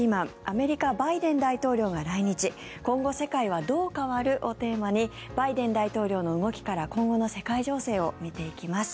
アメリカ、バイデン大統領が来日今後、世界はどう変わる？をテーマにバイデン大統領の動きから今後の世界情勢を見ていきます。